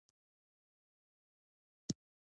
د اکزیما لپاره د ایلوویرا جیل وکاروئ